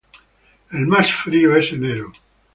El más frío es enero.